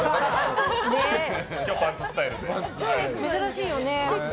珍しいよね。